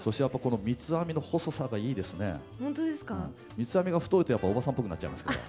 三つ編みが太いとおばさんっぽくなっちゃいますから。